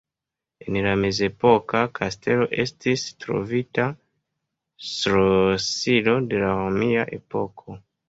En la mezepoka kastelo estis trovita ŝlosilo de la romia epoko.